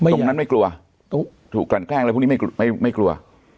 ตรงนั้นไม่กลัวถูกกลั่นแกล้งอะไรพวกนี้ไม่กลัว